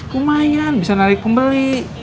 lumayan bisa narik pembeli